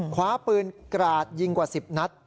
คว้าปืนกราดยิงกว่า๑๐นัด